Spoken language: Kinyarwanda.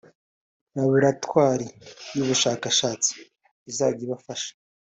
Laboratwari y’ubushakashatsi izajya ibafasha